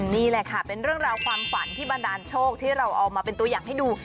นี่แหละค่ะเป็นเรื่องราวความฝันที่บันดาลโชคที่เราเอามาเป็นตัวอย่างให้ดู